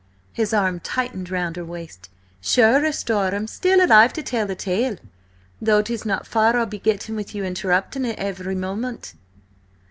His arm tightened round her waist. "Sure, asthore, I'm still alive to tell the tale, though 'tis not far I'll be getting with you interrupting at every moment!"